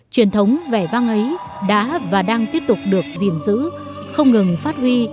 truyền thống vẻ vang ấy đã và đang tiếp tục được gìn giữ không ngừng phát huy